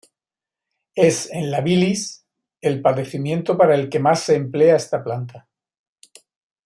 Es en la "bilis", el padecimiento para el que más se emplea esta planta.